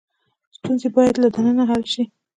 ستونزې باید له دننه حل شي.